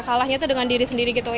kalahnya itu dengan diri sendiri gitu